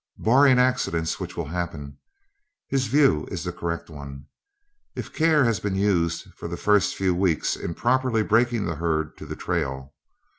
Barring accidents, which will happen, his view is the correct one, if care has been used for the first few weeks in properly breaking the herd to the trail.